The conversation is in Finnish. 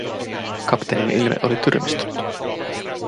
Kapteenin ilme oli tyrmistynyt.